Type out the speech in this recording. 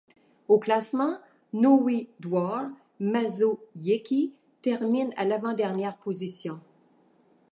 Au classement, Nowy Dwór Mazowiecki termine à l'avant-dernière position.